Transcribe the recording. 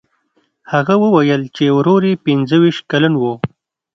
هغه وویل چې ورور یې پنځه ویشت کلن و.